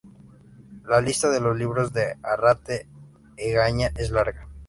La lista de los libros de Arrate Egaña es larga.